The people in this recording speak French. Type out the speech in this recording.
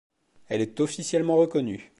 Elle est officiellement reconnue.